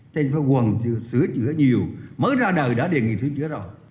trên phải quần sửa chữa nhiều mới ra đời đã đề nghị sửa chữa rồi